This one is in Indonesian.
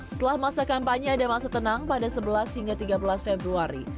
setelah masa kampanye ada masa tenang pada sebelas hingga tiga belas februari